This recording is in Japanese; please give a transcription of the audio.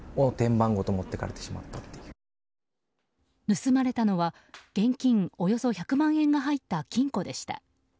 盗まれたのは現金およそ１００万円が入った金庫でした。